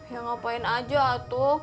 ya ngapain aja atuh